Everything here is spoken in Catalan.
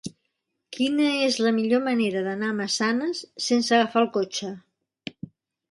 Quina és la millor manera d'anar a Massanes sense agafar el cotxe?